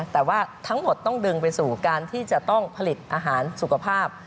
แต่ว่าทั้งหมดต้องดึงไปสู่การที่จะต้องผลิตอาหารสุขภาพ